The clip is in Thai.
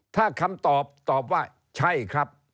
ถ้าคำตอบตอบว่าใช่ครับ